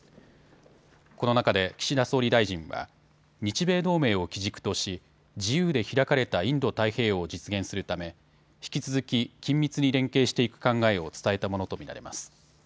この中で岸田総理大臣は日米同盟を基軸とし自由で開かれたインド太平洋を実現するため引き続き緊密に連携していく考えを伝えたものと見られます。